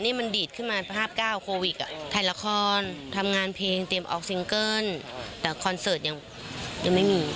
นี่มันดีดขึ้นมาภาพ๙โควิดถ่ายละครทำงานเพลงเตรียมออกซิงเกิ้ลแต่คอนเสิร์ตยังไม่มี